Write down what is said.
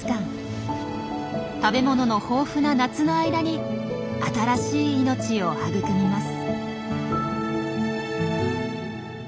食べ物の豊富な夏の間に新しい命を育みます。